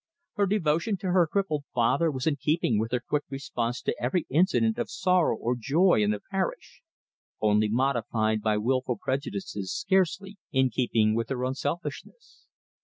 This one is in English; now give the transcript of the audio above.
Her devotion to her crippled father was in keeping with her quick response to every incident of sorrow or joy in the parish only modified by wilful prejudices scarcely in keeping with her unselfishness.